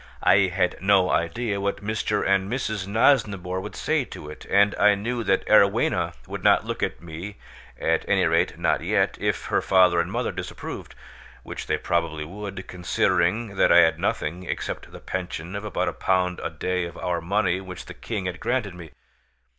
I had no idea what Mr. and Mrs. Nosnibor would say to it; and I knew that Arowhena would not look at me (at any rate not yet) if her father and mother disapproved, which they probably would, considering that I had nothing except the pension of about a pound a day of our money which the King had granted me.